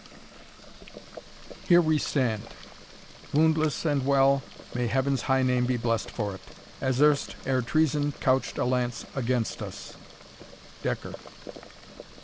Here we stand Woundless and well, may Heaven's high name be bless'd for't! As erst, ere treason couch'd a lance against us. Decker.